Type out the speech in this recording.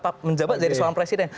pak menjabat jadi seorang presiden